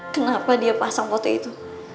kenapa dia pasang kote itu